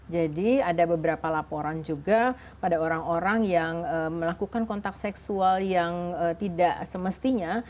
jadi ada beberapa laporan juga pada orang orang yang melakukan kontak seksual yang tidak semestinya